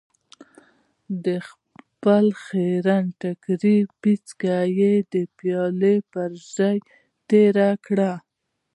د خپل خيرن ټکري پيڅکه يې د پيالې پر ژۍ تېره کړه.